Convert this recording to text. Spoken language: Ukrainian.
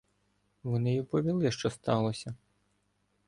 Вони й оповіли, що сталося.